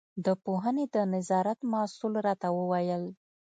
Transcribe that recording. د پوهنې د نظارت مسوول راته وویل.